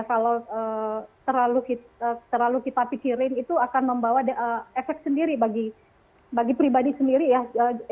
kalau terlalu kita pikirin itu akan membawa efek sendiri bagi pribadi sendiri ya